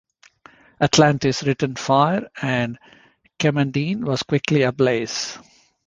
"Atlantis "returned fire, and "Kemmendine" was quickly ablaze.